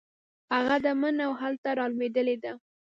هغه ده مڼه هلته رالوېدلې ده.